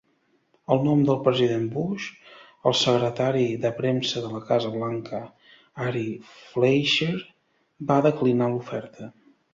En nom del president Bush, el Secretari de Premsa de la Casa Blanca Ari Fleischer va declinar l'oferta.